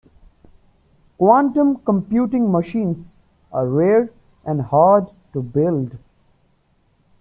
Quantum computing machines are rare and hard to build.